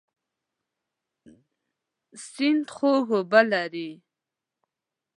سیند خوږ اوبه لري.